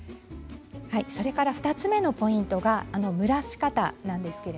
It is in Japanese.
２つ目のポイントが蒸らし方です。